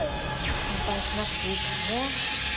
心配しなくていいからね。